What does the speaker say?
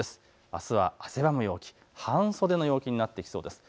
あすは汗ばむ陽気、半袖の陽気になってきそうです。